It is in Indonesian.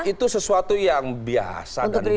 itu sesuatu yang biasa dan baik saja